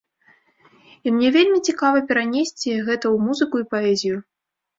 І мне вельмі цікава перанесці гэта ў музыку і паэзію.